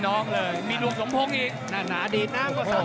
มันมีรายการมวยนัดใหญ่อยู่นัดอยู่นัด